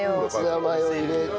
ツナマヨを入れて。